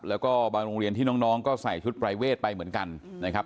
แล้วก็บางโรงเรียนที่น้องก็ใส่ชุดปรายเวทไปเหมือนกันนะครับ